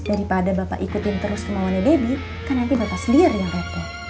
daripada bapak ikutin terus kemauannya debbie kan nanti bapak sendiri yang repot